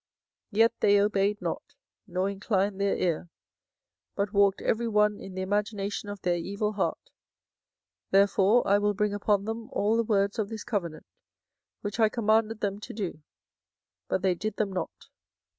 24:011:008 Yet they obeyed not, nor inclined their ear, but walked every one in the imagination of their evil heart: therefore I will bring upon them all the words of this covenant, which I commanded them to do: but they did them not.